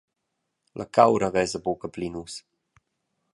La caura vesa buca pli nus.